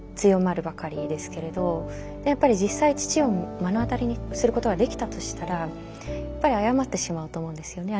やっぱり実際父を目の当たりにすることができたとしたらやっぱり謝ってしまうと思うんですよね。